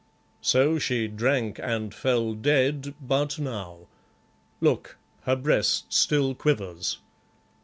"So she drank, and fell dead but now. Look, her breast still quivers.